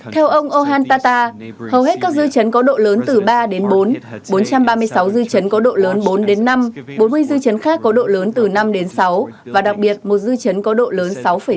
theo ông ohantata hầu hết các dư chấn có độ lớn từ ba đến bốn bốn trăm ba mươi sáu dư chấn có độ lớn bốn đến năm bốn mươi dư chấn khác có độ lớn từ năm đến sáu và đặc biệt một dư chấn có độ lớn sáu năm